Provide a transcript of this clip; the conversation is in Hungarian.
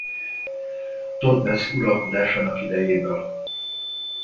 Thotmesz uralkodásának idejéből.